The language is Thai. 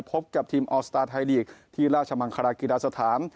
พบกับทีมออสตาร์ทไทยลีกที่ราชมังคารากิราศธรรม